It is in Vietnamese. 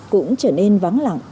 cũng trở nên vắng lặng